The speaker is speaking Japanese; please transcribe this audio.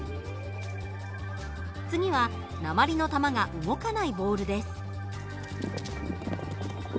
次は鉛の玉が動かないボールです。